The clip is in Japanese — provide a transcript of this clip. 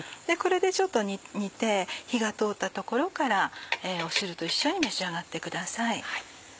これでちょっと煮て火が通った所から汁と一緒に召し上がってください。